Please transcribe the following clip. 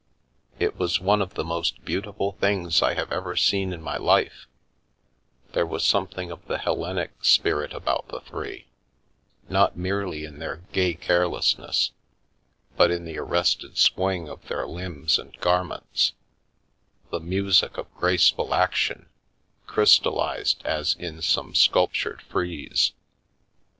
It was one of the most beautiful things I have ever seen in my life — there was something of the Hellenic spirit about the three, not merely in their gay carelessness, but in the arrested swing of their limbs and garments — the music of graceful action, crystallised as in some sculptured frieze.